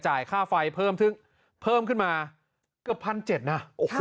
จ่ายค่าไฟเพิ่มขึ้นมาก็๑๗๐๐บาทนะ